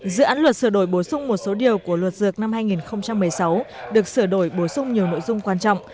dự án luật sửa đổi bổ sung một số điều của luật dược năm hai nghìn một mươi sáu được sửa đổi bổ sung nhiều nội dung quan trọng